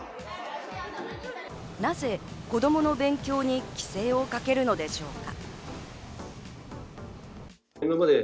なぜ子どもの勉強に規制をかけるのでしょうか？